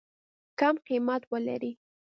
کم قیمت ولري.